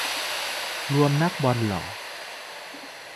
รวมนักบอลหล่อ